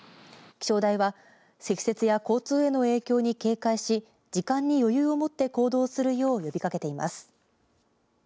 気象台は積雪や交通への影響に警戒し時間に余裕をもって行動するよう呼びかけています。